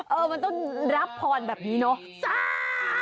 เออมันต้องรับพรแบบนี้เนอะ